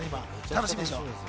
楽しみでしょ？